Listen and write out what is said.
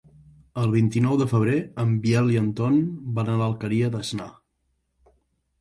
El vint-i-nou de febrer en Biel i en Ton van a l'Alqueria d'Asnar.